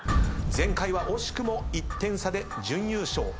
前回は惜しくも１点差で準優勝。